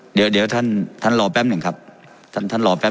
เดี๋ยวเดี๋ยวท่านท่านรอแป๊บหนึ่งครับท่านท่านรอแป๊